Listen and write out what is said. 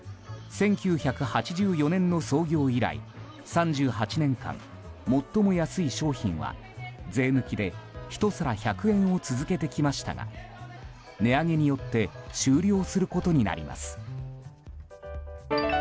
１９８４年の創業以来３８年間最も安い商品は税抜きで１皿１００円を続けてきましたが値上げによって終了することになります。